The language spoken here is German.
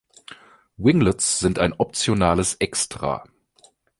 Winglets sind ein optionales Extra.